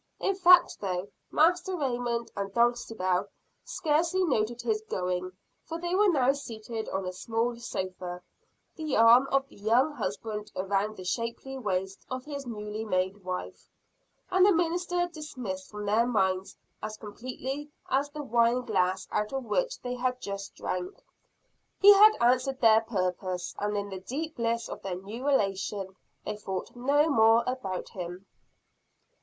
In fact though, Master Raymond and Dulcibel scarcely noted his going, for they were now seated on a small sofa, the arm of the young husband around the shapely waist of his newly made wife, and the minister dismissed from their minds as completely as the wine glass out of which they had just drank. He had answered their purpose and in the deep bliss of their new relation, they thought no more about him.